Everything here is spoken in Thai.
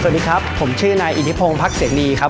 สวัสดีครับผมชื่อนายอิทธิพงศ์พักเสนีครับ